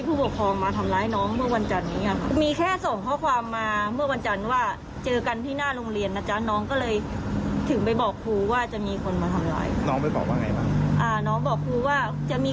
ครูบอกว่าเขาตบมาก็ให้ตบกลับไปอะไรอย่างนี้